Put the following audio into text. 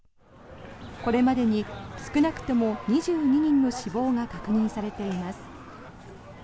これまでに少なくとも２２人の死亡が確認されています。